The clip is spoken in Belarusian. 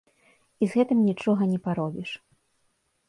І з гэтым нічога не паробіш.